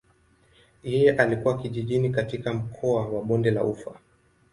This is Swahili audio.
Yeye alikulia kijijini katika mkoa wa bonde la ufa.